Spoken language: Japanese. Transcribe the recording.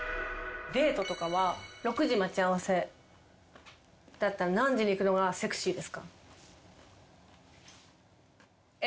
デートとかは６時待ち合わせだったら何時に行くのがセクシーですか？